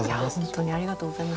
ありがとうございます。